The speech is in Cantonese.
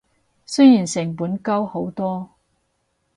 雖然成本高好多